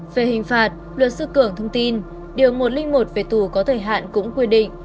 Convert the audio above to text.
về hình phạt luật sư cường thông tin điều một trăm linh một về tù có thời hạn cũng quy định